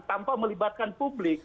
tanpa melibatkan publik